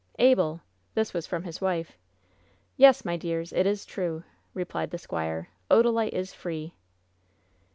"Abel!" This was from his wife. "Yes, my dears, it is true !" replied the squire. "Oda lite is free